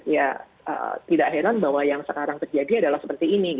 ya tidak heran bahwa yang sekarang terjadi adalah seperti ini